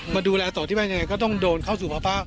มาดูแลต่อที่บ้านยังไงก็ต้องโดนเข้าสู่สภาพ